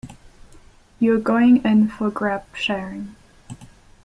You're going in for grab sharing.